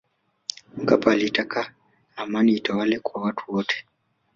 mkapa alitaka amani itawale kwa watu wote